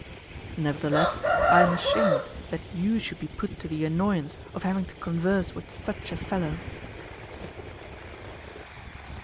"Nevertheless I am ashamed that you should be put to the annoyance of having to converse with such a fellow."